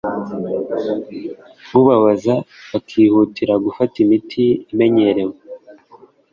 ubabaza bakihutira gufata imiti imenyerewe